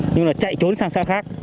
nhưng mà chạy trốn sang xã khác